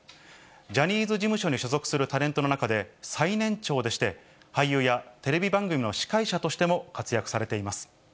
ジャニーズ事務所に所属するタレントの中で、最年長でして、俳優やテレビ番組の司会者としても活躍されています。